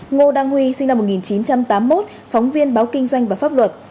ngô đăng huy sinh năm một nghìn chín trăm tám mươi một phóng viên báo kinh doanh và pháp luật